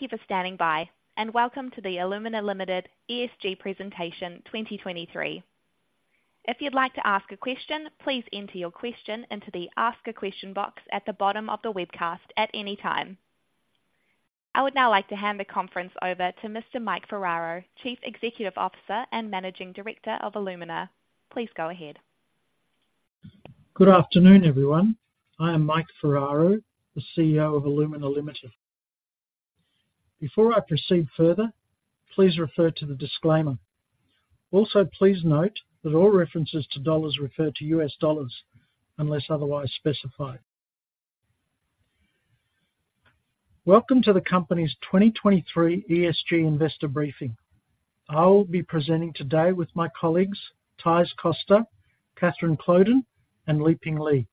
Thank you for standing by, and welcome to the Alumina Limited ESG Presentation 2023. If you'd like to ask a question, please enter your question into the Ask a Question box at the bottom of the webcast at any time. I would now like to hand the conference over to Mr. Mike Ferraro, Chief Executive Officer and Managing Director of Alumina. Please go ahead. Good afternoon, everyone. I am Mike Ferraro, the CEO of Alumina Limited. Before I proceed further, please refer to the disclaimer. Also, please note that all references to dollars refer to US dollars unless otherwise specified. Welcome to the company's 2023 ESG Investor Briefing. I will be presenting today with my colleagues, Thaïs Costa, Katherine Kloeden, and Liping Li.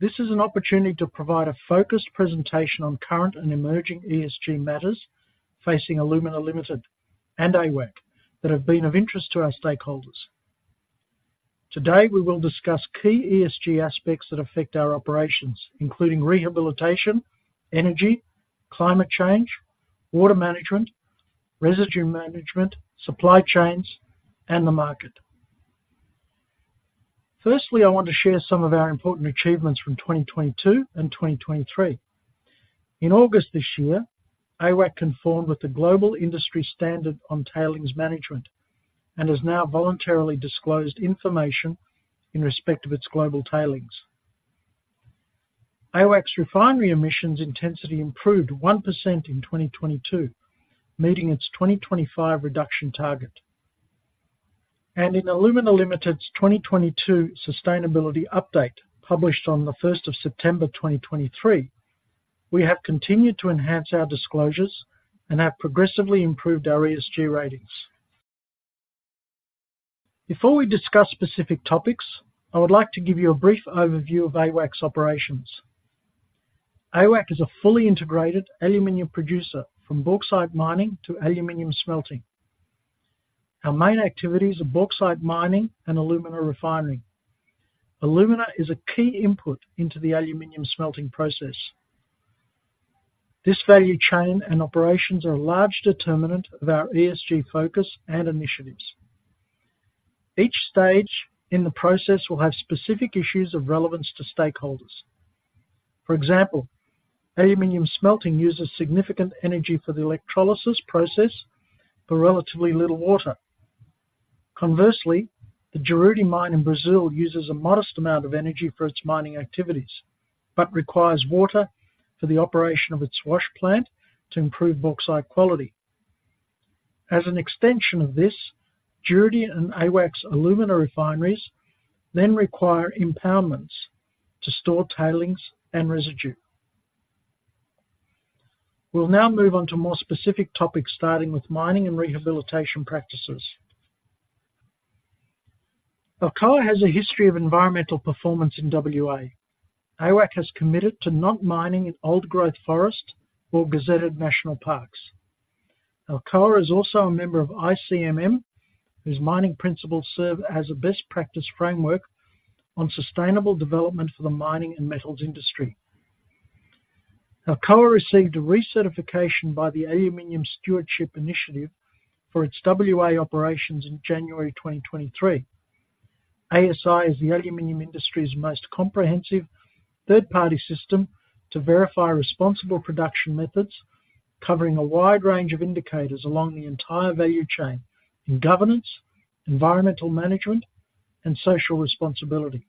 This is an opportunity to provide a focused presentation on current and emerging ESG matters facing Alumina Limited and AWAC that have been of interest to our stakeholders. Today, we will discuss key ESG aspects that affect our operations, including rehabilitation, energy, climate change, water management, residue management, supply chains, and the market. Firstly, I want to share some of our important achievements from 2022 and 2023. In August this year, AWAC conformed with the global industry standard on tailings management and has now voluntarily disclosed information in respect of its global tailings. AWAC's refinery emissions intensity improved 1% in 2022, meeting its 2025 reduction target. In Alumina Limited's 2022 sustainability update, published on the first of September 2023, we have continued to enhance our disclosures and have progressively improved our ESG ratings. Before we discuss specific topics, I would like to give you a brief overview of AWAC's operations. AWAC is a fully integrated aluminum producer from bauxite mining to aluminum smelting. Our main activities are bauxite mining and alumina refining. Alumina is a key input into the aluminum smelting process. This value chain and operations are a large determinant of our ESG focus and initiatives. Each stage in the process will have specific issues of relevance to stakeholders. For example, aluminum smelting uses significant energy for the electrolysis process, but relatively little water. Conversely, the Juruti mine in Brazil uses a modest amount of energy for its mining activities, but requires water for the operation of its wash plant to improve bauxite quality. As an extension of this, Juruti and AWAC's alumina refineries then require impoundments to store tailings and residue. We'll now move on to more specific topics, starting with mining and rehabilitation practices. Alcoa has a history of environmental performance in WA. AWAC has committed to not mining in old-growth forest or gazetted national parks. Alcoa is also a member of ICMM, whose mining principles serve as a best practice framework on sustainable development for the mining and metals industry. Alcoa received a recertification by the Aluminium Stewardship Initiative for its WA operations in January 2023. ASI is the aluminum industry's most comprehensive third-party system to verify responsible production methods, covering a wide range of indicators along the entire value chain in governance, environmental management, and social responsibility.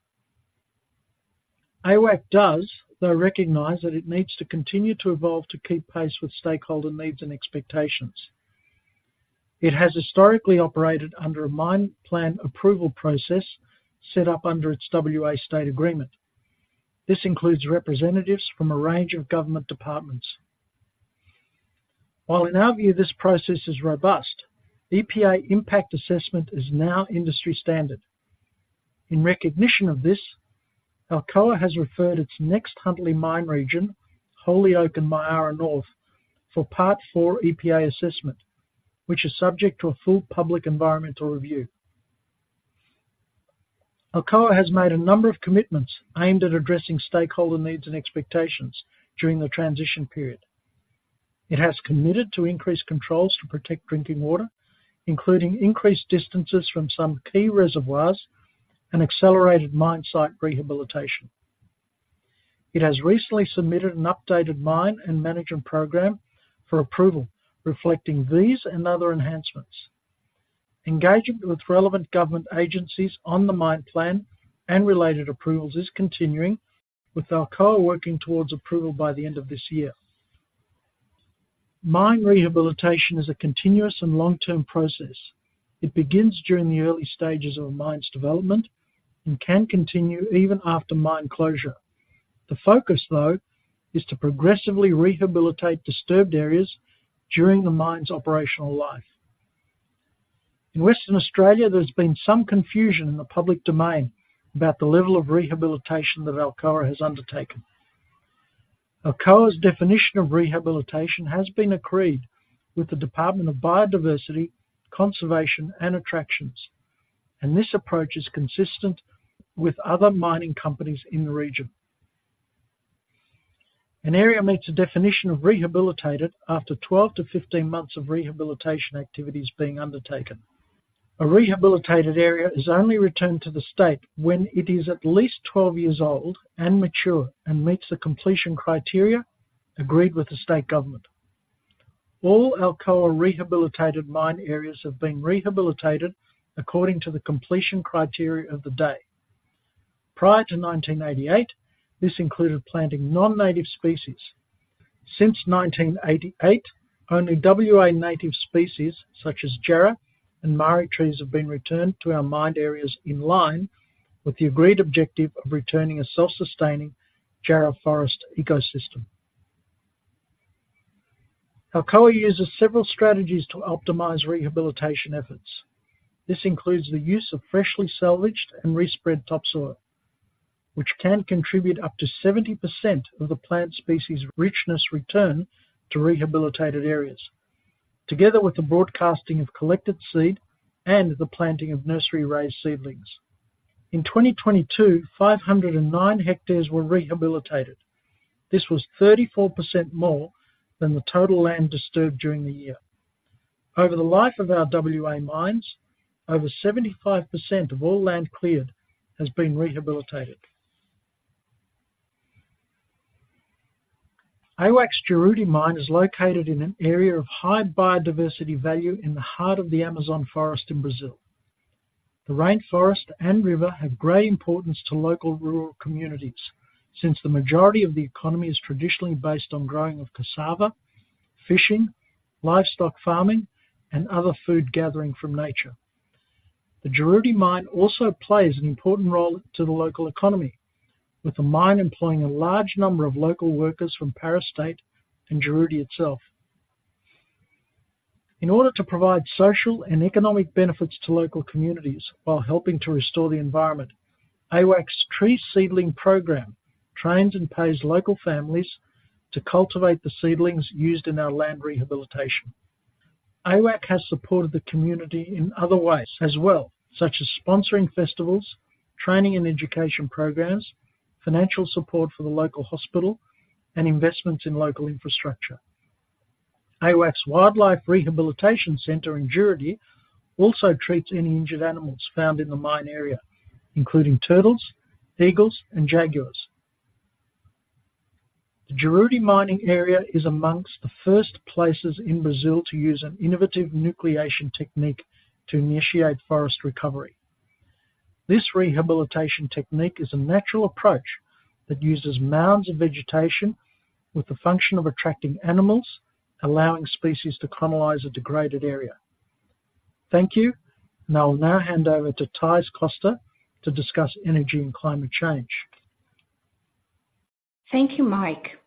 AWAC does, though, recognize that it needs to continue to evolve to keep pace with stakeholder needs and expectations. It has historically operated under a mine plan approval process set up under its WA State Agreement. This includes representatives from a range of government departments. While in our view, this process is robust, EPA impact assessment is now industry standard. In recognition of this, Alcoa has referred its next Huntly Mine region, Holyoake and Myara North, for Part Four EPA assessment, which is subject to a full public environmental review. Alcoa has made a number of commitments aimed at addressing stakeholder needs and expectations during the transition period. It has committed to increased controls to protect drinking water, including increased distances from some key reservoirs and accelerated mine site rehabilitation. It has recently submitted an updated mine and management program for approval, reflecting these and other enhancements. Engaging with relevant government agencies on the mine plan and related approvals is continuing, with Alcoa working towards approval by the end of this year. Mine rehabilitation is a continuous and long-term process. It begins during the early stages of a mine's development and can continue even after mine closure. The focus, though, is to progressively rehabilitate disturbed areas during the mine's operational life. In Western Australia, there's been some confusion in the public domain about the level of rehabilitation that Alcoa has undertaken. Alcoa's definition of rehabilitation has been agreed with the Department of Biodiversity, Conservation, and Attractions... and this approach is consistent with other mining companies in the region. An area meets the definition of rehabilitated after 12-15 months of rehabilitation activities being undertaken. A rehabilitated area is only returned to the state when it is at least 12 years old and mature, and meets the completion criteria agreed with the state government. All Alcoa rehabilitated mine areas have been rehabilitated according to the completion criteria of the day. Prior to 1988, this included planting non-native species. Since 1988, only WA native species, such as jarrah and marri trees, have been returned to our mined areas in line with the agreed objective of returning a self-sustaining jarrah forest ecosystem. Alcoa uses several strategies to optimize rehabilitation efforts. This includes the use of freshly salvaged and re-spread topsoil, which can contribute up to 70% of the plant species richness return to rehabilitated areas, together with the broadcasting of collected seed and the planting of nursery-raised seedlings. In 2022, 509 hectares were rehabilitated. This was 34% more than the total land disturbed during the year. Over the life of our WA mines, over 75% of all land cleared has been rehabilitated. AWAC's Juruti mine is located in an area of high biodiversity value in the heart of the Amazon forest in Brazil. The rainforest and river have great importance to local rural communities, since the majority of the economy is traditionally based on growing of cassava, fishing, livestock farming, and other food gathering from nature. The Juruti mine also plays an important role to the local economy, with the mine employing a large number of local workers from Pará State and Juruti itself. In order to provide social and economic benefits to local communities while helping to restore the environment, AWAC's tree seedling program trains and pays local families to cultivate the seedlings used in our land rehabilitation. AWAC has supported the community in other ways as well, such as sponsoring festivals, training and education programs, financial support for the local hospital, and investments in local infrastructure. AWAC's wildlife rehabilitation center in Juruti also treats any injured animals found in the mine area, including turtles, eagles, and jaguars. The Juruti mining area is among the first places in Brazil to use an innovative nucleation technique to initiate forest recovery. This rehabilitation technique is a natural approach that uses mounds of vegetation with the function of attracting animals, allowing species to colonize a degraded area. Thank you, and I will now hand over to Thaïs Costa to discuss energy and climate change. Thank you, Mike.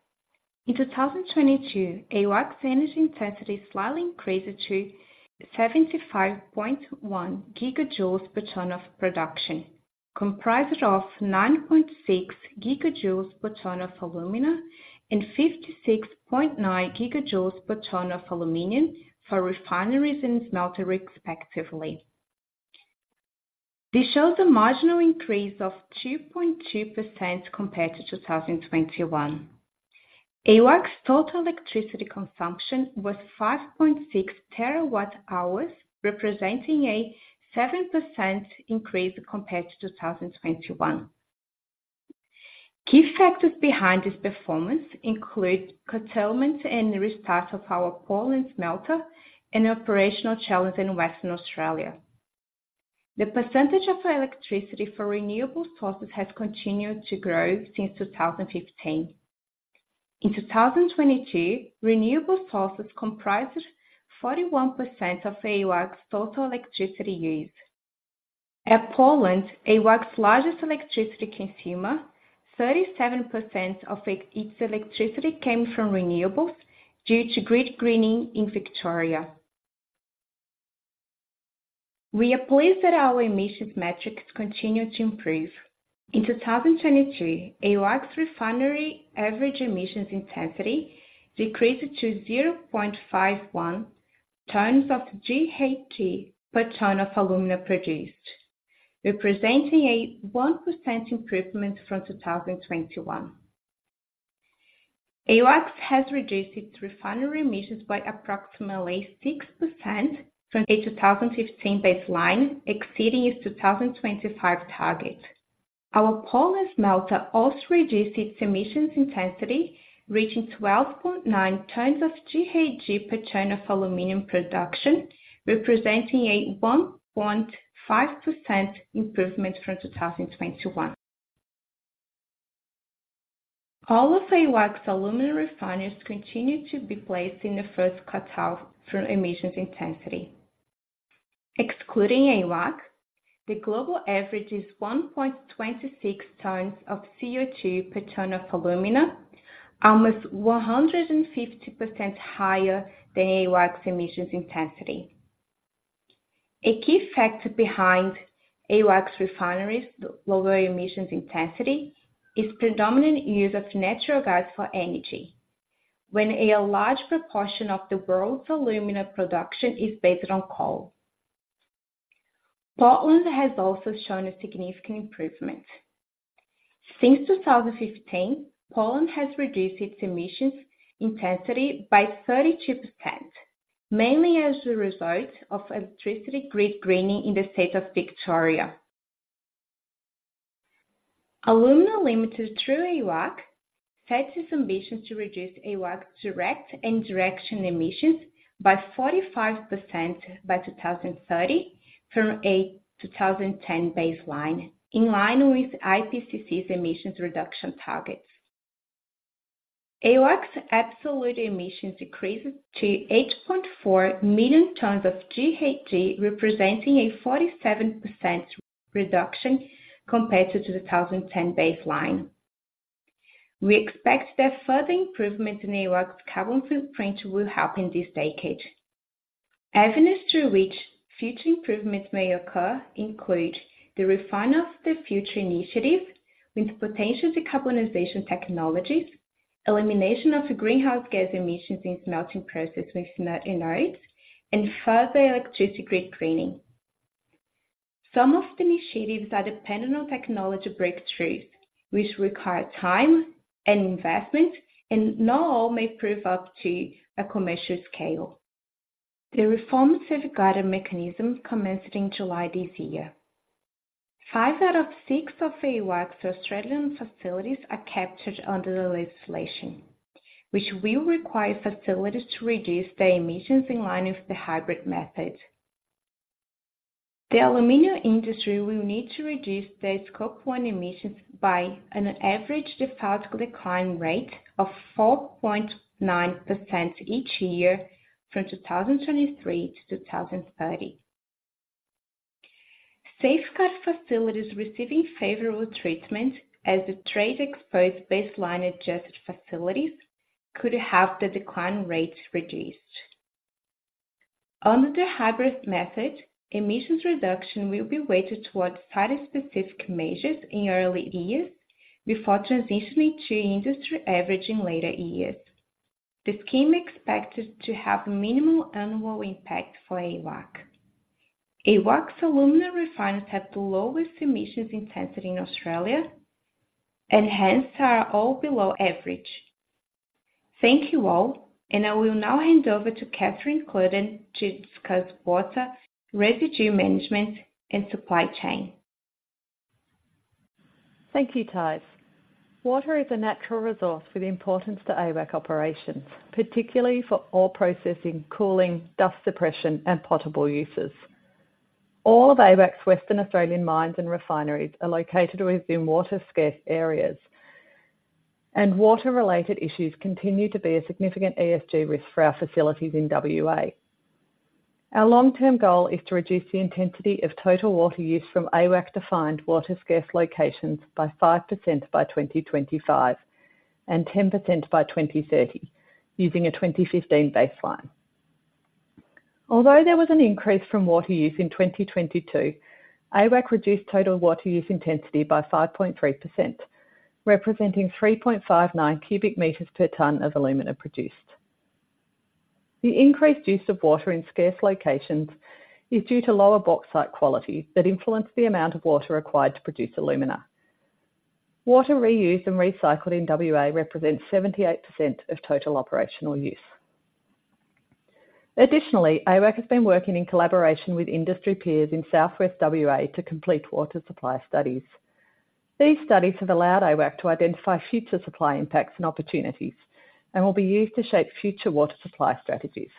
In 2022, AWAC's energy intensity slightly increased to 75.1 gigajoules per ton of production, comprised of 9.6 gigajoules per ton of alumina and 56.9 gigajoules per ton of aluminum for refineries and smelter respectively. This shows a marginal increase of 2.2% compared to 2021. AWAC's total electricity consumption was 5.6 terawatt-hours, representing a 7% increase compared to 2021. Key factors behind this performance include curtailment and restart of our Portland smelter and operational challenge in Western Australia. The percentage of electricity for renewable sources has continued to grow since 2015. In 2022, renewable sources comprised 41% of AWAC's total electricity use. At Portland, AWAC's largest electricity consumer, 37% of its electricity came from renewables due to grid greening in Victoria. We are pleased that our emissions metrics continue to improve. In 2022, AWAC's refinery average emissions intensity decreased to 0.51 tons of GHG per ton of alumina produced, representing a 1% improvement from 2021. AWAC has reduced its refinery emissions by approximately 6% from a 2015 baseline, exceeding its 2025 target. Our Portland smelter also reduced its emissions intensity, reaching 12.9 tons of GHG per ton of aluminum production, representing a 1.5% improvement from 2021. All of AWAC's alumina refineries continue to be placed in the first quartile for emissions intensity. Excluding AWAC, the global average is 1.26 tons of CO2 per ton of alumina, almost 150% higher than AWAC's emissions intensity. A key factor behind AWAC's refineries' lower emissions intensity is predominant use of natural gas for energy, when a large proportion of the world's alumina production is based on coal. Portland has also shown a significant improvement. Since 2015, Portland has reduced its emissions intensity by 32%, mainly as a result of electricity grid greening in the state of Victoria. Alumina Limited, through AWAC, sets its ambitions to reduce AWAC direct and indirect emissions by 45% by 2030 from a 2010 baseline, in line with IPCC's emissions reduction targets. AWAC's absolute emissions decrease to 8.4 million tonnes of GHG, representing a 47% reduction compared to the 2010 baseline. We expect that further improvement in AWAC's carbon footprint will happen this decade. Avenues through which future improvements may occur include: the Refinery of the Future initiative with potential decarbonization technologies, elimination of the greenhouse gas emissions in smelting process with smelter anodes, and further electricity grid greening. Some of the initiatives are dependent on technology breakthroughs, which require time and investment, and not all may prove up to a commercial scale. The Safeguard Mechanism commenced in July this year. 5 out of 6 of AWAC's Australian facilities are captured under the legislation, which will require facilities to reduce their emissions in line with the hybrid method. The aluminum industry will need to reduce their Scope 1 emissions by an average default decline rate of 4.9% each year from 2023 to 2030. Safeguard facilities receiving favorable treatment as the trade-exposed baseline-adjusted facilities could have the decline rates reduced. Under the hybrid method, emissions reduction will be weighted towards site-specific measures in early years before transitioning to industry average in later years. The scheme expected to have minimal annual impact for AWAC. AWAC's alumina refiners have the lowest emissions intensity in Australia, and hence are all below average. Thank you all, and I will now hand over to Katherine Kloeden to discuss water, residue management, and supply chain. Thank you, Thais. Water is a natural resource with importance to AWAC operations, particularly for ore processing, cooling, dust suppression, and potable uses. All of AWAC's Western Australian mines and refineries are located within water-scarce areas, and water-related issues continue to be a significant ESG risk for our facilities in WA. Our long-term goal is to reduce the intensity of total water use from AWAC-defined water-scarce locations by 5% by 2025, and 10% by 2030, using a 2015 baseline. Although there was an increase from water use in 2022, AWAC reduced total water use intensity by 5.3%, representing 3.59 cubic meters per tonne of alumina produced. The increased use of water in scarce locations is due to lower bauxite quality that influenced the amount of water required to produce alumina. Water reused and recycled in WA represents 78% of total operational use. Additionally, AWAC has been working in collaboration with industry peers in Southwest WA to complete water supply studies. These studies have allowed AWAC to identify future supply impacts and opportunities and will be used to shape future water supply strategies.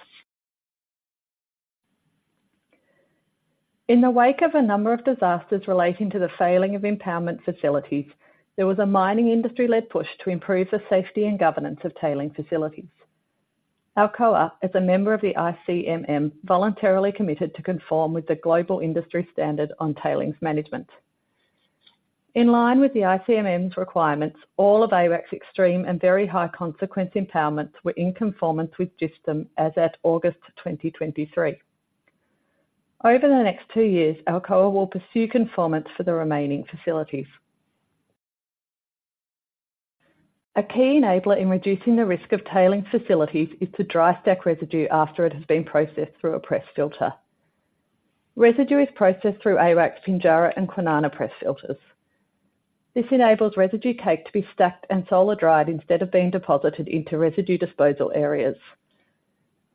In the wake of a number of disasters relating to the failing of impoundment facilities, there was a mining industry-led push to improve the safety and governance of tailings facilities. Alcoa, as a member of the ICMM, voluntarily committed to conform with the global industry standard on tailings management. In line with the ICMM's requirements, all of AWAC's extreme and very high consequence impoundments were in conformance with GISTM as at August 2023. Over the next 2 years, Alcoa will pursue conformance for the remaining facilities. A key enabler in reducing the risk of tailings facilities is to dry stack residue after it has been processed through a press filter. Residue is processed through AWAC's Pinjarra and Kwinana press filters. This enables residue cake to be stacked and solar-dried instead of being deposited into residue disposal areas.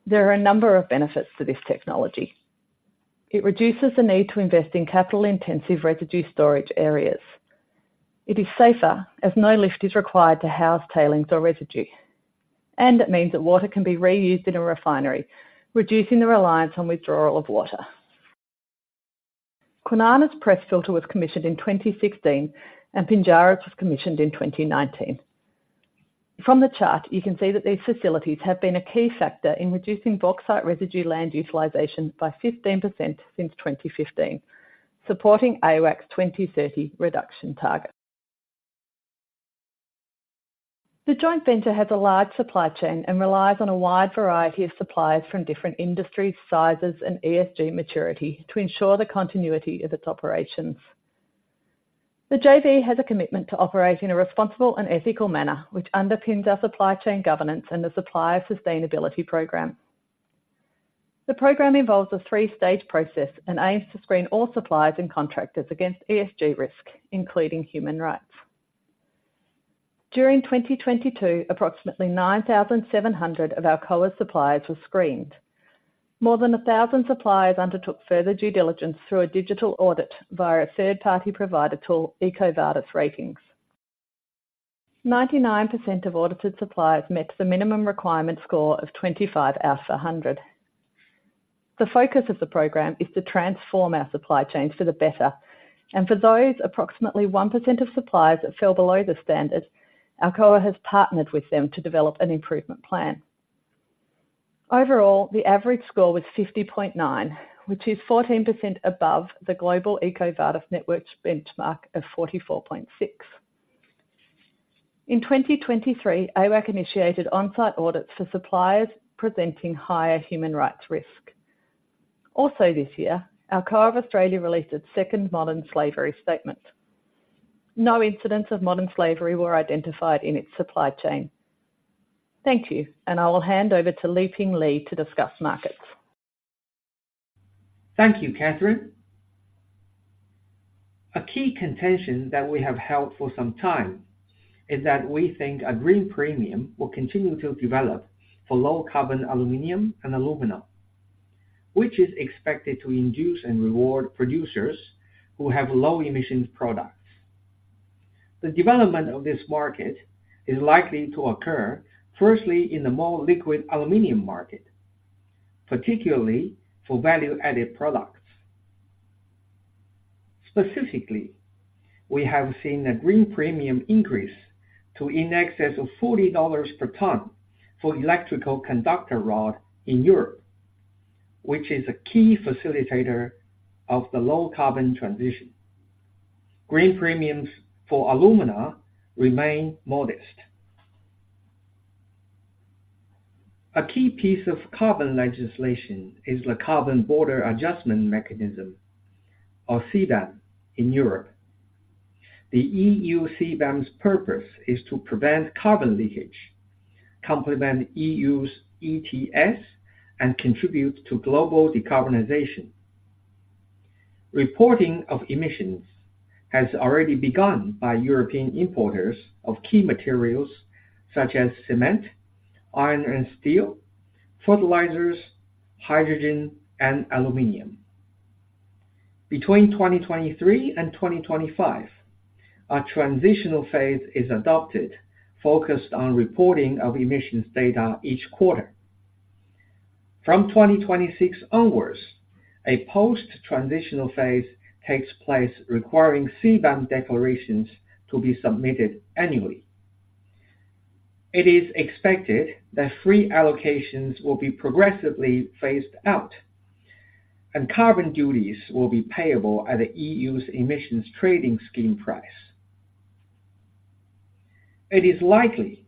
There are a number of benefits to this technology. It reduces the need to invest in capital-intensive residue storage areas. It is safer as no lift is required to house tailings or residue. It means that water can be reused in a refinery, reducing the reliance on withdrawal of water. Kwinana's press filter was commissioned in 2016, and Pinjarra's was commissioned in 2019. From the chart, you can see that these facilities have been a key factor in reducing bauxite residue land utilization by 15% since 2015, supporting AWAC's 2030 reduction target. The joint venture has a large supply chain and relies on a wide variety of suppliers from different industries, sizes, and ESG maturity to ensure the continuity of its operations. The JV has a commitment to operate in a responsible and ethical manner, which underpins our supply chain governance and the Supplier Sustainability Program. The program involves a three-stage process and aims to screen all suppliers and contractors against ESG risk, including human rights. During 2022, approximately 9,700 of Alcoa's suppliers were screened. More than 1,000 suppliers undertook further due diligence through a digital audit via a third-party provider tool, EcoVadis Ratings. 99% of audited suppliers met the minimum requirement score of 25 out of 100. The focus of the program is to transform our supply chains for the better, and for those approximately 1% of suppliers that fell below the standard, Alcoa has partnered with them to develop an improvement plan. Overall, the average score was 50.9, which is 14% above the global EcoVadis network's benchmark of 44.6. In 2023, AWAC initiated on-site audits for suppliers presenting higher human rights risk. Also this year, Alcoa of Australia released its second modern slavery statement. No incidents of modern slavery were identified in its supply chain. Thank you, and I will hand over to Liping Li to discuss markets. Thank you, Katherine. A key contention that we have held for some time is that we think a green premium will continue to develop for low carbon aluminum and alumina, which is expected to induce and reward producers who have low emissions products. The development of this market is likely to occur firstly in the more liquid aluminum market, particularly for value-added products. Specifically, we have seen a green premium increase to in excess of $40 per ton for electrical conductor rod in Europe, which is a key facilitator of the low carbon transition. Green premiums for alumina remain modest. A key piece of carbon legislation is the Carbon Border Adjustment Mechanism, or CBAM, in Europe. The EU CBAM's purpose is to prevent carbon leakage, complement EU's ETS, and contribute to global decarbonization. Reporting of emissions has already begun by European importers of key materials such as cement, iron and steel, fertilizers, hydrogen, and aluminum. Between 2023 and 2025, a transitional phase is adopted, focused on reporting of emissions data each quarter. From 2026 onwards, a post-transitional phase takes place, requiring CBAM declarations to be submitted annually. It is expected that free allocations will be progressively phased out, and carbon duties will be payable at the EU's emissions trading scheme price. It is likely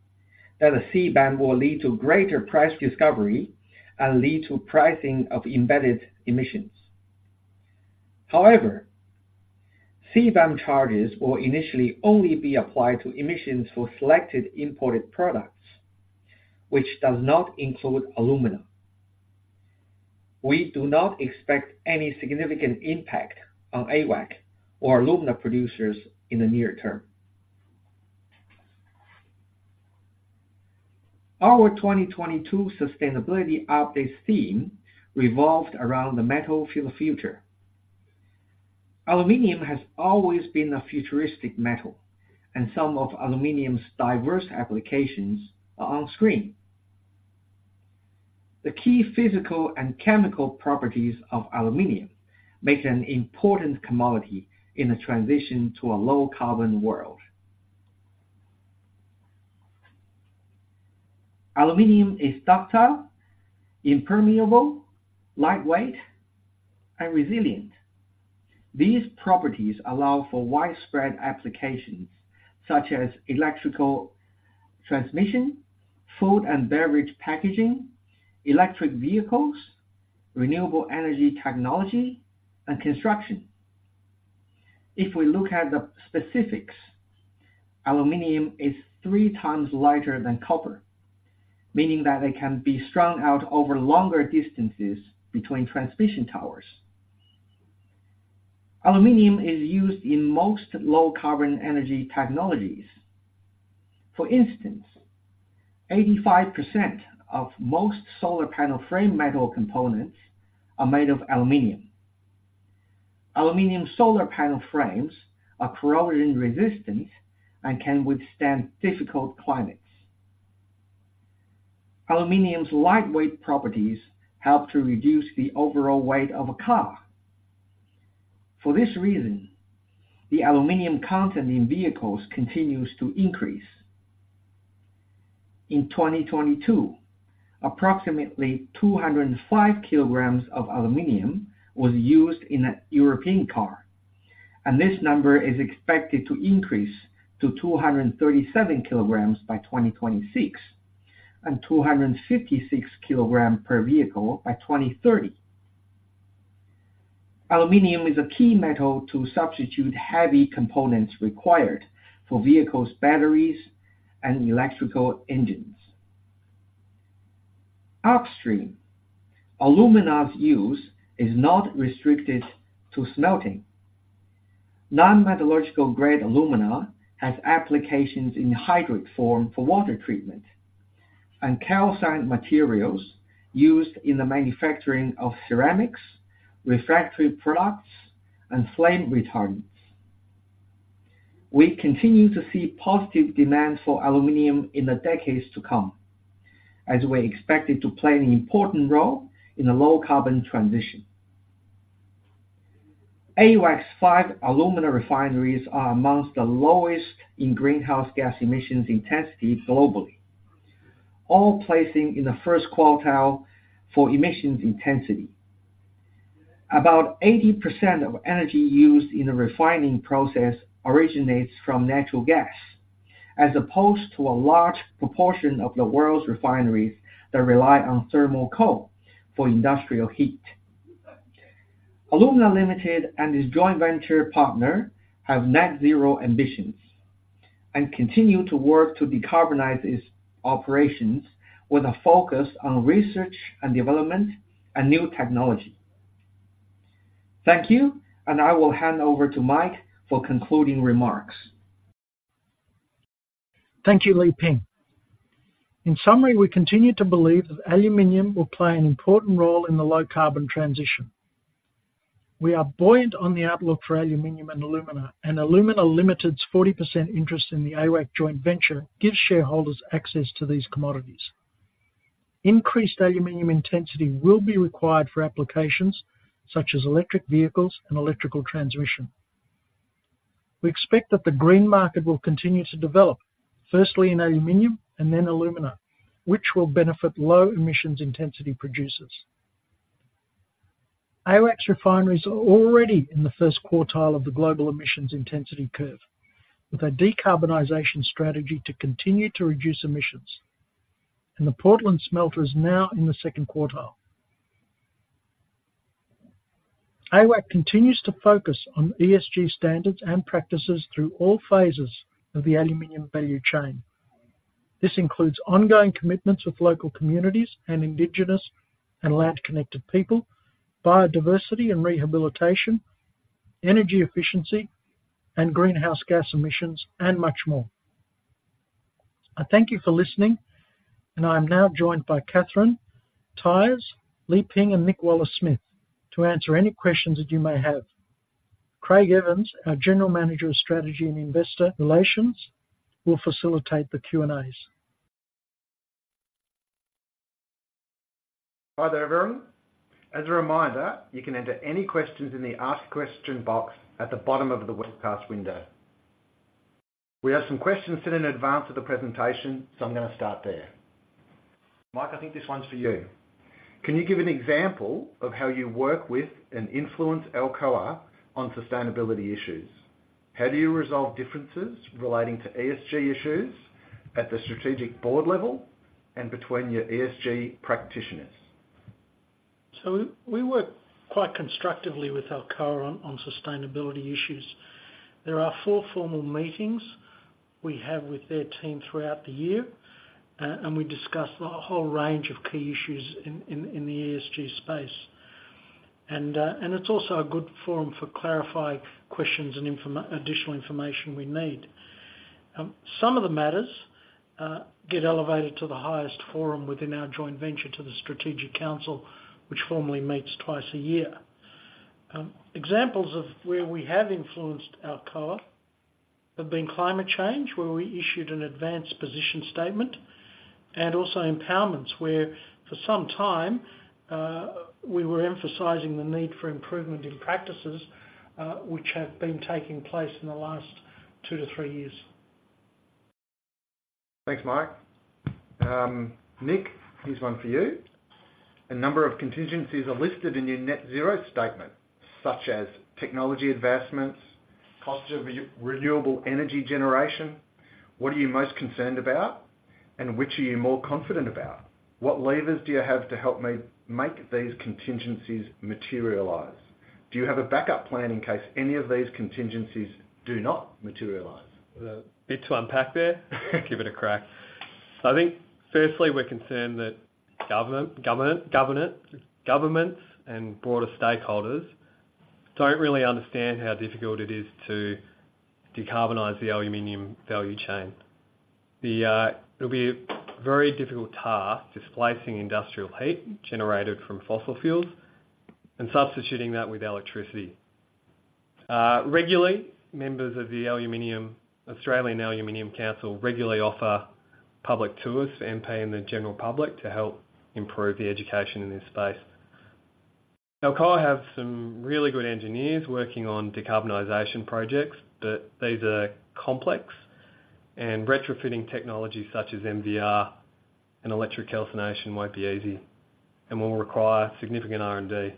that a CBAM will lead to greater price discovery and lead to pricing of embedded emissions. However, CBAM charges will initially only be applied to emissions for selected imported products, which does not include alumina. We do not expect any significant impact on AWAC or alumina producers in the near term. Our 2022 sustainability update theme revolved around the metal for the future. Aluminum has always been a futuristic metal, and some of aluminum's diverse applications are on screen. The key physical and chemical properties of aluminum make an important commodity in the transition to a low carbon world. Aluminum is ductile, impermeable, lightweight, and resilient. These properties allow for widespread applications such as electrical transmission, food and beverage packaging, electric vehicles, renewable energy technology, and construction. If we look at the specifics, aluminum is three times lighter than copper, meaning that it can be strung out over longer distances between transmission towers. Aluminum is used in most low carbon energy technologies. For instance, 85% of most solar panel frame metal components are made of aluminum. Aluminum solar panel frames are corrosion resistant and can withstand difficult climates. Aluminum's lightweight properties help to reduce the overall weight of a car. For this reason, the aluminum content in vehicles continues to increase. In 2022, approximately 205 kilograms of aluminum was used in a European car, and this number is expected to increase to 237 kilograms by 2026, and 256 kilograms per vehicle by 2030. Aluminum is a key metal to substitute heavy components required for vehicles, batteries, and electrical engines. Upstream, alumina's use is not restricted to smelting. Non-metallurgical grade alumina has applications in hydrate form for water treatment, and calcined materials used in the manufacturing of ceramics, refractory products, and flame retardants. We continue to see positive demand for aluminum in the decades to come, as we expect it to play an important role in the low-carbon transition. AWAC's five alumina refineries are among the lowest in greenhouse gas emissions intensity globally, all placing in the first quartile for emissions intensity. About 80% of energy used in the refining process originates from natural gas, as opposed to a large proportion of the world's refineries that rely on thermal coal for industrial heat. Alumina Limited and its joint venture partner have net zero ambitions, and continue to work to decarbonize its operations with a focus on research and development and new technology. Thank you, and I will hand over to Mike for concluding remarks. Thank you, Liping. In summary, we continue to believe that aluminum will play an important role in the low-carbon transition. We are buoyant on the outlook for aluminum and alumina, and Alumina Limited's 40% interest in the AWAC joint venture gives shareholders access to these commodities. Increased aluminum intensity will be required for applications such as electric vehicles and electrical transmission. We expect that the green market will continue to develop, firstly in aluminum and then alumina, which will benefit low emissions intensity producers. AWAC's refineries are already in the first quartile of the global emissions intensity curve, with a decarbonization strategy to continue to reduce emissions, and the Portland smelter is now in the second quartile. AWAC continues to focus on ESG standards and practices through all phases of the aluminum value chain. This includes ongoing commitments with local communities and indigenous and land-connected people, biodiversity and rehabilitation, energy efficiency, and greenhouse gas emissions, and much more. I thank you for listening, and I am now joined by Katherine, Thais, Liping, and Nick Wallace-Smith, to answer any questions that you may have. Craig Evans, our General Manager of Strategy and Investor Relations, will facilitate the Q&As. Hi there, everyone. As a reminder, you can enter any questions in the Ask Question box at the bottom of the webcast window. We have some questions sent in advance of the presentation, so I'm going to start there. Mike, I think this one's for you. Can you give an example of how you work with and influence Alcoa on sustainability issues? How do you resolve differences relating to ESG issues at the strategic board level and between your ESG practitioners? We work quite constructively with Alcoa on sustainability issues. There are four formal meetings we have with their team throughout the year, and we discuss a whole range of key issues in the ESG space. It's also a good forum for clarifying questions and additional information we need. Some of the matters get elevated to the highest forum within our joint venture to the Strategic Council, which formally meets twice a year. Examples of where we have influenced Alcoa have been climate change, where we issued an advanced position statement, and also empowerments, where for some time we were emphasizing the need for improvement in practices, which have been taking place in the last two to three years. Thanks, Mike. Nick, here's one for you. A number of contingencies are listed in your net zero statement, such as technology advancements, cost of renewable energy generation. What are you most concerned about, and which are you more confident about? What levers do you have to help make these contingencies materialize? Do you have a backup plan in case any of these contingencies do not materialize? Well, a bit to unpack there. Give it a crack. I think firstly, we're concerned that governments and broader stakeholders don't really understand how difficult it is to decarbonize the aluminum value chain. The-- It'll be a very difficult task, displacing industrial heat generated from fossil fuels and substituting that with electricity. Regularly, members of the Australian Aluminum Council regularly offer public tours, and paying the general public to help improve the education in this space. Alcoa have some really good engineers working on decarbonization projects, but these are complex, and retrofitting technologies such as MVR and electric calcination won't be easy and will require significant R&D.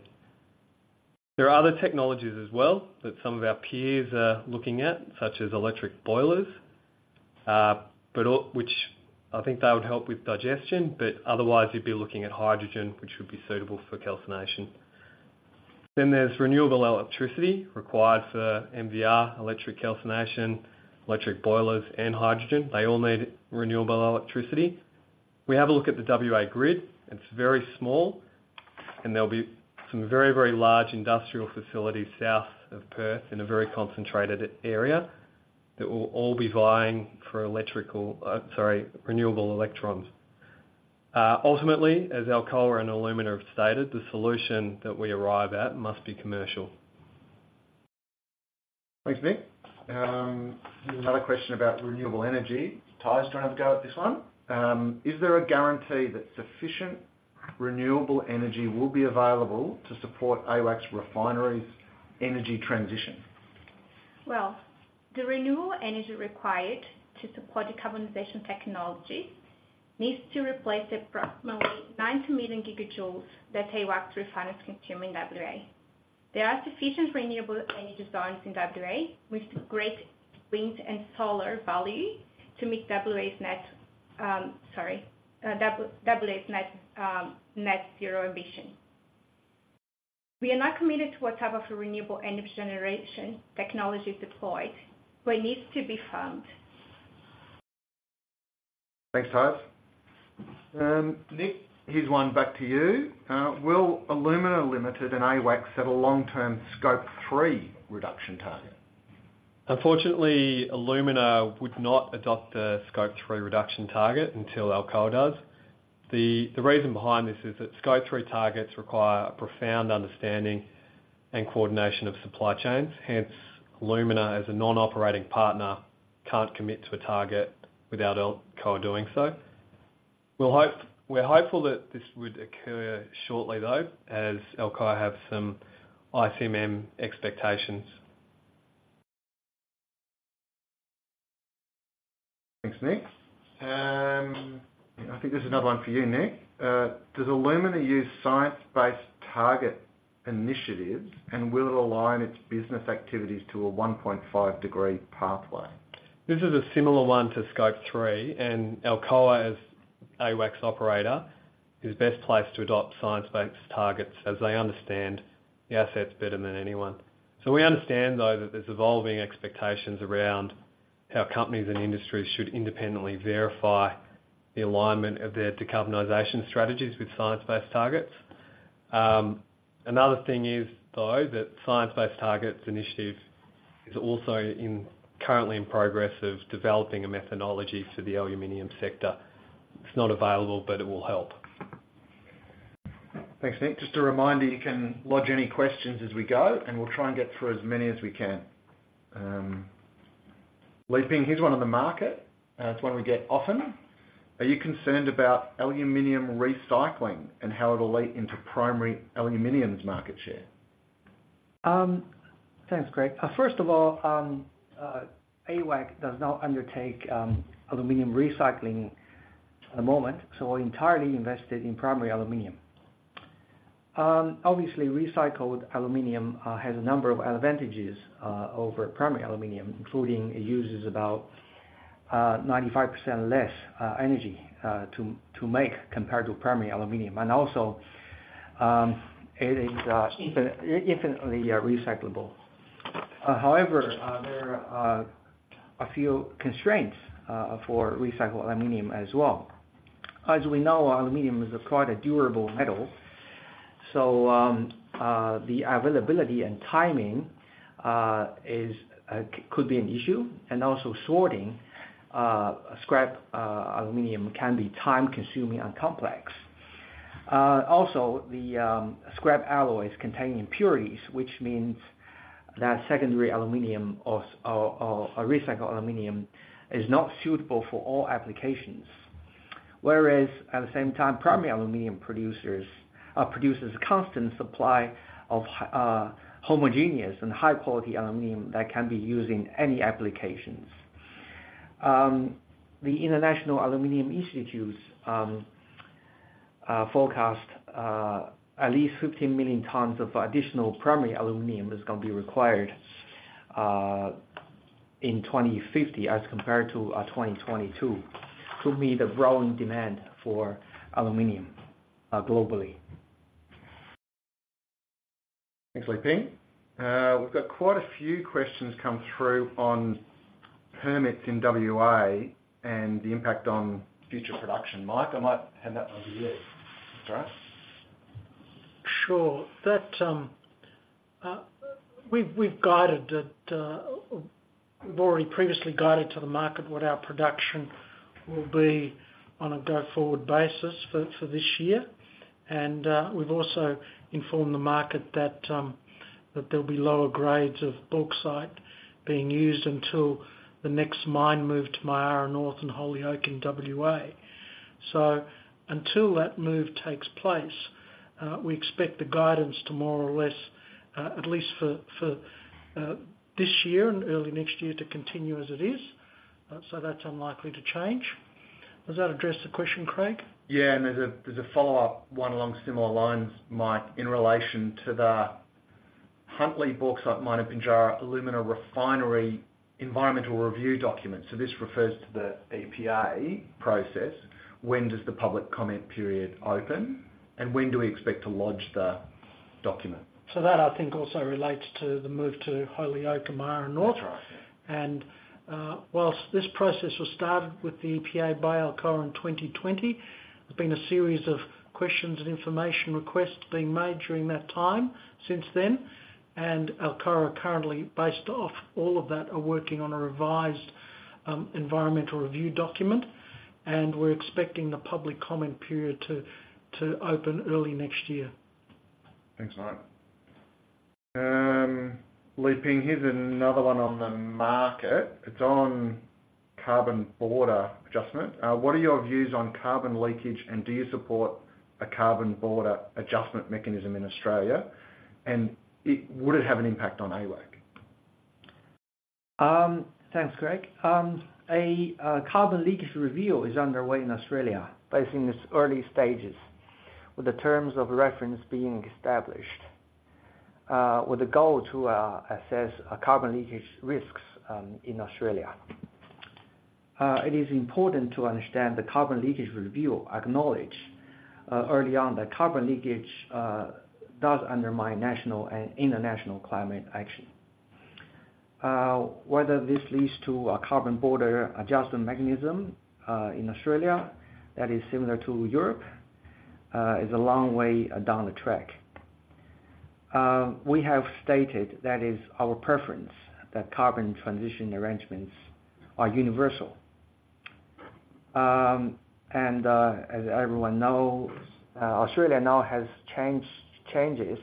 There are other technologies as well that some of our peers are looking at, such as electric boilers. But which I think that would help with digestion, but otherwise, you'd be looking at hydrogen, which would be suitable for calcination. Then there's renewable electricity required for MVR, electric calcination, electric boilers, and hydrogen. They all need renewable electricity. We have a look at the WA grid, it's very small, and there'll be some very, very large industrial facilities south of Perth in a very concentrated area that will all be vying for electrical, sorry, renewable electrons. Ultimately, as Alcoa and Alumina have stated, the solution that we arrive at must be commercial. Thanks, Nick. Another question about renewable energy. Thaïs, do you want to have a go at this one? Is there a guarantee that sufficient renewable energy will be available to support AWAC's refineries' energy transition? Well, the renewable energy required to support decarbonization technology needs to replace approximately 90 million gigajoules that AWAC's refineries consume in WA. There are sufficient renewable energy zones in WA with great wind and solar value to meet WA's net zero emission. We are not committed to what type of renewable energy generation technology deployed, but it needs to be found. Thanks, Thaïs. Nick, here's one back to you. Will Alumina Limited and AWAC set a long-term Scope 3 reduction target? Unfortunately, Alumina would not adopt a Scope 3 reduction target until Alcoa does. The reason behind this is that Scope 3 targets require a profound understanding and coordination of supply chains. Hence, Alumina, as a non-operating partner, can't commit to a target without Alcoa doing so. We're hopeful that this would occur shortly, though, as Alcoa have some ICMM expectations. Thanks, Nick. I think this is another one for you, Nick. Does Alumina use science-based target initiatives, and will it align its business activities to a 1.5-degree pathway? This is a similar one to Scope 3, and Alcoa, as AWAC's operator, is best placed to adopt science-based targets as they understand the assets better than anyone. So we understand, though, that there's evolving expectations around how companies and industries should independently verify the alignment of their decarbonization strategies with science-based targets. Another thing is, though, that science-based targets initiative is also in, currently in progress of developing a methodology for the aluminum sector. It's not available, but it will help. Thanks, Nick. Just a reminder, you can lodge any questions as we go, and we'll try and get through as many as we can. Liping, here's one on the market, it's one we get often: Are you concerned about aluminum recycling and how it'll lead into primary aluminum's market share? Thanks, Craig. First of all, AWAC does not undertake aluminum recycling at the moment, so we're entirely invested in primary aluminum. Obviously, recycled aluminum has a number of advantages over primary aluminum, including it uses about 95% less energy to make compared to primary aluminum, and also, it is infinitely recyclable. However, there are a few constraints for recycled aluminum as well. As we know, aluminum is quite a durable metal, so the availability and timing could be an issue, and also sorting scrap aluminum can be time-consuming and complex. Also, the scrap alloys contain impurities, which means that secondary aluminum or recycled aluminum is not suitable for all applications. Whereas, at the same time, primary aluminum producers produces a constant supply of homogeneous and high-quality aluminum that can be used in any applications. The International Aluminum Institute's forecast, at least 15 million tons of additional primary aluminum is gonna be required, in 2050 as compared to, 2022. To meet the growing demand for aluminum, globally. Thanks, Liping. We've got quite a few questions come through on permits in WA and the impact on future production. Mike, I might hand that one to you. Is that all right? Sure. That we've guided it. We've already previously guided to the market what our production will be on a go-forward basis for this year. And we've also informed the market that there'll be lower grades of bauxite being used until the next mine move to Myara North and Holyoake in WA. So until that move takes place, we expect the guidance to more or less at least for this year and early next year, to continue as it is. So that's unlikely to change. Does that address the question, Craig? Yeah, and there's a follow-up, one along similar lines, Mike, in relation to the Huntly Bauxite Mine and Pinjarra Alumina Refinery environmental review document. So this refers to the EPA process. When does the public comment period open, and when do we expect to lodge the document? So that, I think, also relates to the move to Holyoake, Myara North. Right. And, while this process was started with the EPA by Alcoa in 2020, there's been a series of questions and information requests being made during that time, since then. And Alcoa are currently, based off all of that, working on a revised environmental review document, and we're expecting the public comment period to open early next year. Thanks, Mike. Liping, here's another one on the market. It's on carbon border adjustment. What are your views on carbon leakage, and do you support a carbon border adjustment mechanism in Australia? Would it have an impact on AWAC? Thanks, Craig. A carbon leakage review is underway in Australia, but it's in its early stages, with the terms of reference being established, with a goal to assess carbon leakage risks in Australia. It is important to understand the carbon leakage review acknowledges early on, that carbon leakage does undermine national and international climate action. Whether this leads to a carbon border adjustment mechanism in Australia that is similar to Europe is a long way down the track. We have stated that is our preference, that carbon transition arrangements are universal. As everyone knows, Australia now has changes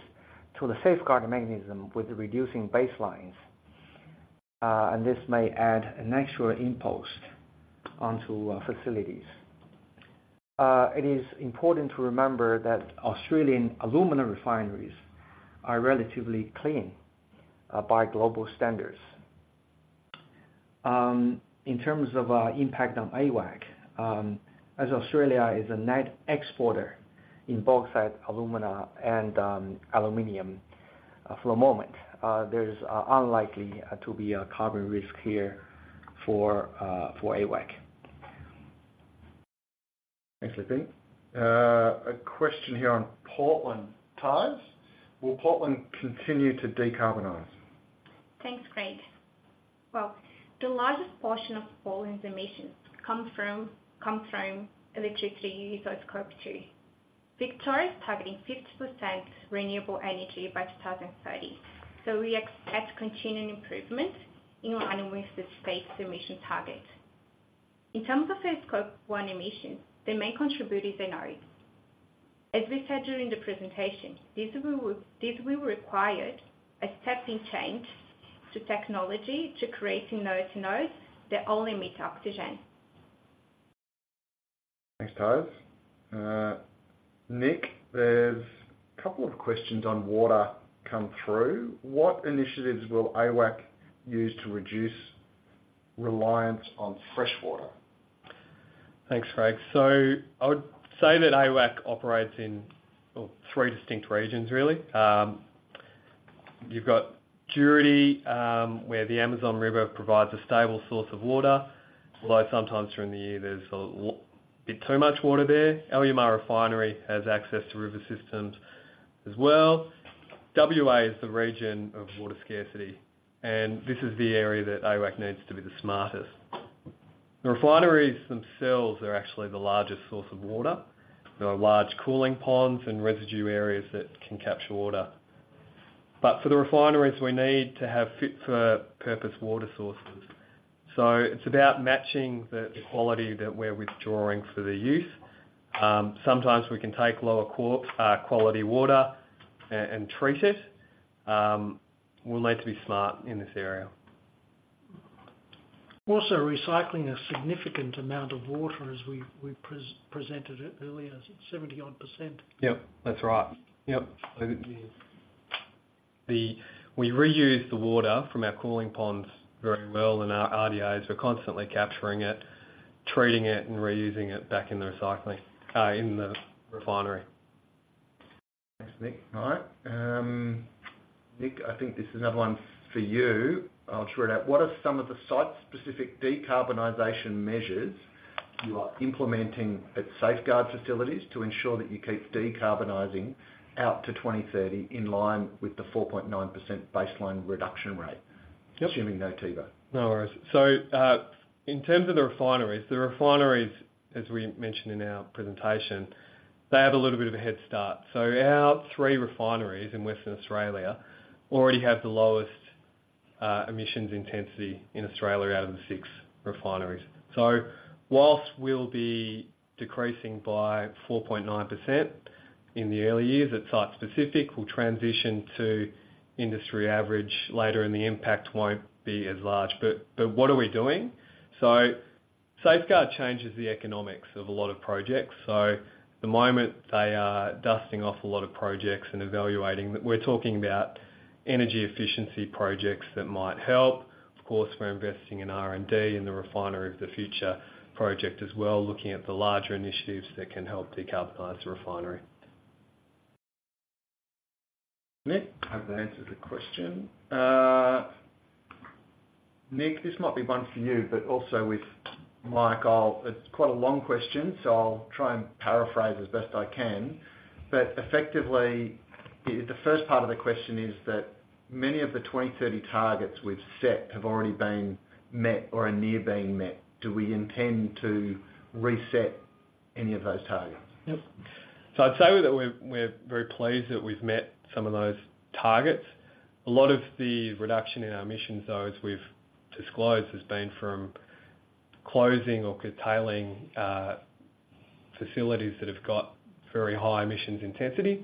to the Safeguard Mechanism with reducing baselines. This may add an extra impulse onto facilities. It is important to remember that Australian alumina refineries are relatively clean by global standards. In terms of impact on AWAC, as Australia is a net exporter in bauxite, alumina, and aluminum, for the moment, there's unlikely to be a carbon risk here for AWAC. Thanks, Liping. A question here on Portland, Thais. Will Portland continue to decarbonize? Thanks, Greg. Well, the largest portion of Portland's emissions come from electricity use, so it's Scope 2. Victoria is targeting 50% renewable energy by 2030, so we expect continuing improvement in line with the state's emission target. In terms of Scope 1 emissions, they may contribute as an anode. As we said during the presentation, this will require a step change to technology to create inert anodes that only emit oxygen. Thanks, Thais. Nick, there's a couple of questions on water come through: What initiatives will AWAC use to reduce reliance on freshwater? Thanks, Greg. So I would say that AWAC operates in, well, three distinct regions, really. You've got Juruti, where the Amazon River provides a stable source of water, although sometimes during the year, there's a bit too much water there. Alumar Refinery has access to river systems as well. WA is the region of water scarcity, and this is the area that AWAC needs to be the smartest. The refineries themselves are actually the largest source of water. There are large cooling ponds and residue areas that can capture water. But for the refineries, we need to have fit-for-purpose water sources, so it's about matching the quality that we're withdrawing for the use. Sometimes we can take lower quality water and treat it. We'll need to be smart in this area. Also, recycling a significant amount of water as we presented it earlier, 70-odd%. Yep, that's right. Yep. We reuse the water from our cooling ponds very well, and our RDAs are constantly capturing it, treating it, and reusing it back in the recycling, in the refinery. Thanks, Nick. All right. Nick, I think this is another one for you. I'll read out. What are some of the site-specific decarbonization measures you are implementing at Safeguard facilities to ensure that you keep decarbonizing out to 2030 in line with the 4.9% baseline reduction rate? Yep. Assuming no TEBA. No worries. So, in terms of the refineries, the refineries, as we mentioned in our presentation, they have a little bit of a head start. Our three refineries in Western Australia already have the lowest emissions intensity in Australia out of the six refineries. So while we'll be decreasing by 4.9% in the early years, at site specific, we'll transition to industry average later, and the impact won't be as large. But, but what are we doing? Safeguard changes the economics of a lot of projects, so at the moment they are dusting off a lot of projects and evaluating. We're talking about energy efficiency projects that might help. Of course, we're investing in R&D in the Refinery of the Future project as well, looking at the larger initiatives that can help decarbonize the refinery.... Nick, I've answered the question. Nick, this might be one for you, but also with Mike, I'll. It's quite a long question, so I'll try and paraphrase as best I can. But effectively, the, the first part of the question is that many of the 2030 targets we've set have already been met or are near being met. Do we intend to reset any of those targets? Yep. So I'd say that we're very pleased that we've met some of those targets. A lot of the reduction in our emissions, though, as we've disclosed, has been from closing or curtailing facilities that have got very high emissions intensity.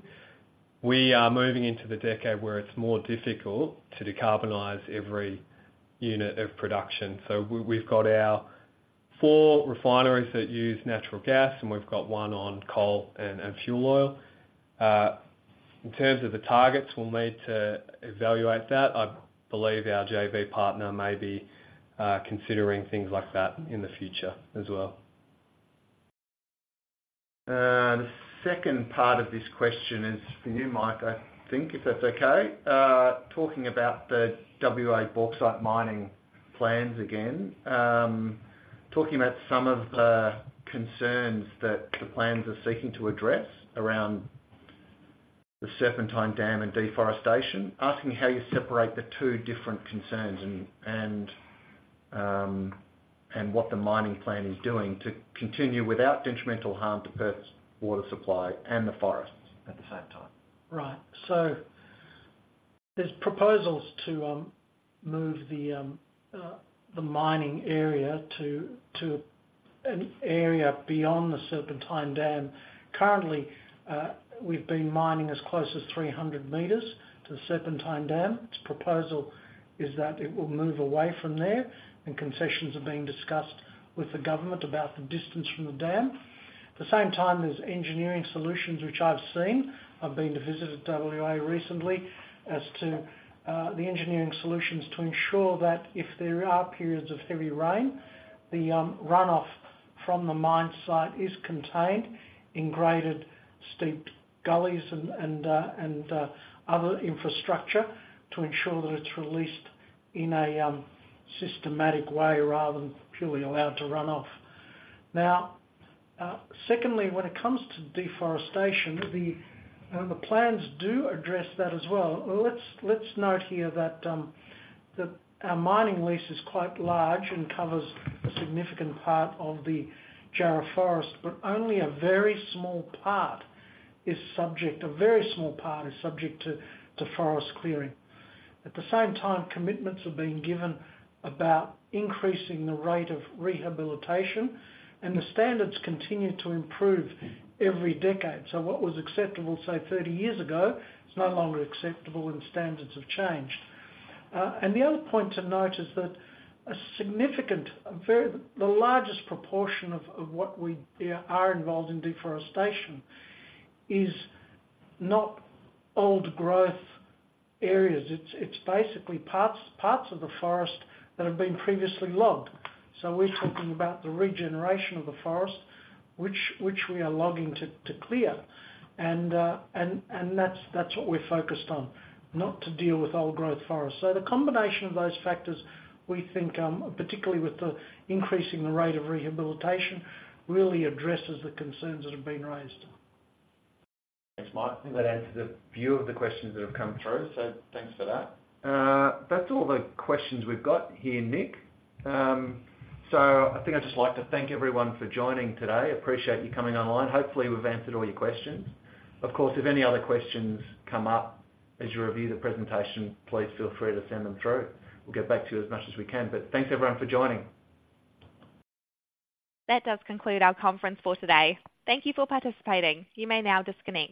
We are moving into the decade where it's more difficult to decarbonize every unit of production. So we've got our four refineries that use natural gas, and we've got one on coal and fuel oil. In terms of the targets, we'll need to evaluate that. I believe our JV partner may be considering things like that in the future as well. The second part of this question is for you, Mike, I think, if that's okay. Talking about the WA bauxite mining plans again. Talking about some of the concerns that the plans are seeking to address around the Serpentine Dam and deforestation, asking how you separate the two different concerns and what the mining plan is doing to continue without detrimental harm to Perth's water supply and the forests at the same time. Right. So there's proposals to move the mining area to an area beyond the Serpentine Dam. Currently, we've been mining as close as 300 meters to the Serpentine Dam. Its proposal is that it will move away from there, and concessions are being discussed with the government about the distance from the dam. At the same time, there's engineering solutions, which I've seen. I've been to visit WA recently as to the engineering solutions to ensure that if there are periods of heavy rain, the runoff from the mine site is contained in graded, steeped gullies and other infrastructure to ensure that it's released in a systematic way rather than purely allowed to run off. Now, secondly, when it comes to deforestation, the plans do address that as well. Let's note here that our mining lease is quite large and covers a significant part of the Jarrah forest, but only a very small part is subject to forest clearing. At the same time, commitments have been given about increasing the rate of rehabilitation, and the standards continue to improve every decade. So what was acceptable, say, 30 years ago, is no longer acceptable and standards have changed. And the other point to note is that the largest proportion of what we are involved in deforestation is not old growth areas. It's basically parts of the forest that have been previously logged. So we're talking about the regeneration of the forest, which we are logging to clear. And that's what we're focused on, not to deal with old growth forests. So the combination of those factors, we think, particularly with increasing the rate of rehabilitation, really addresses the concerns that have been raised. Thanks, Mike. I think that answers a few of the questions that have come through, so thanks for that. That's all the questions we've got here, Nick. So I think I'd just like to thank everyone for joining today. Appreciate you coming online. Hopefully, we've answered all your questions. Of course, if any other questions come up as you review the presentation, please feel free to send them through. We'll get back to you as much as we can. But thanks, everyone, for joining. That does conclude our conference for today. Thank you for participating. You may now disconnect.